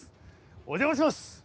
お邪魔します！